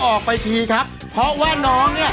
โอเคโอเคครับผม